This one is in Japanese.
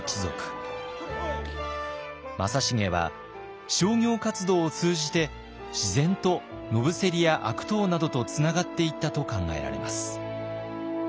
正成は商業活動を通じて自然と野伏や悪党などとつながっていったと考えられます。